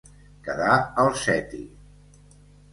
Quedar al seti.